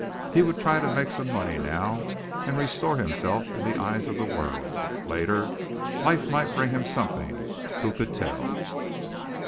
He would try to make some money now, and restore himself in the eyes of the world. Later, life might bring him something who could tell?